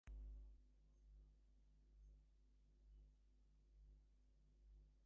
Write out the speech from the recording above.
Victor is confronted by Kazuki, but Victor is not interested in fighting and leaves.